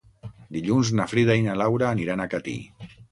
Dilluns na Frida i na Laura aniran a Catí.